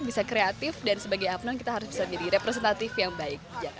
bisa kreatif dan sebagai apnon kita harus bisa menjadi representatif yang baik